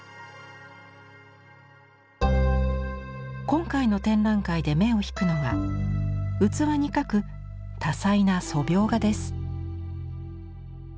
今回の展覧会で目を引くのが器に描く多彩な素描画です。